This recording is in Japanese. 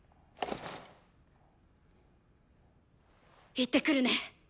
行ってくるね。